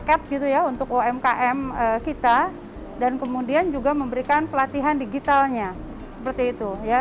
cap gitu ya untuk umkm kita dan kemudian juga memberikan pelatihan digitalnya seperti itu ya